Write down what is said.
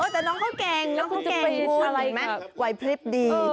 แต่น้องเขาแกล่งมูกเห็นไหมไหวภิพธิ์ดี